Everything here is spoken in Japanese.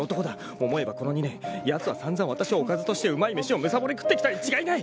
［思えばこの２年やつは散々わたしをおかずとしてうまい飯をむさぼり食ってきたに違いない！］